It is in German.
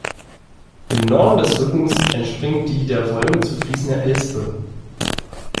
Im Norden des Rückens entspringt die der Volme zufließende Elspe.